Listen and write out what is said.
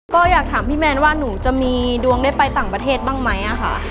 ก็อยากถามพี่แมนว่าหนูจะมีดวงได้ไปต่างประเทศบ้างไหมค่ะ